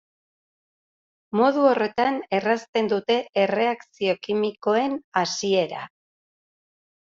Modu horretan errazten dute erreakzio kimikoen hasiera.